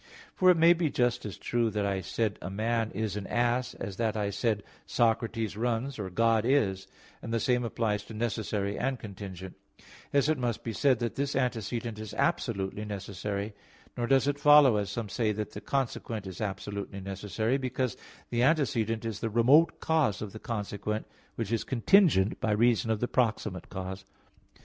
For it may be just as true that I said a man is an ass, as that I said Socrates runs, or God is: and the same applies to necessary and contingent. Hence it must be said that this antecedent is absolutely necessary. Nor does it follow, as some say, that the consequent is absolutely necessary, because the antecedent is the remote cause of the consequent, which is contingent by reason of the proximate cause.